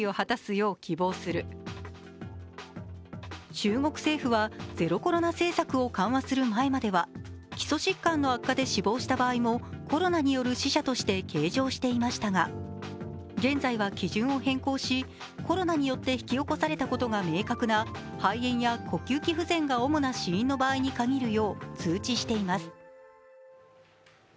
中国政府は、ゼロコロナ政策を緩和する前までは基礎疾患の悪化で死亡した場合もコロナによる死者として計上していましたが現在は基準を変更し、コロナによって引き起こされたことが明確な肺炎や呼吸器不全が主な死因に限るよう通知しています。